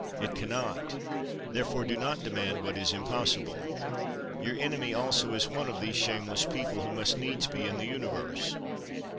It cannot. Therefore do not demand what is impossible. Your enemy also is one of these shameless people who must needs be in the universe.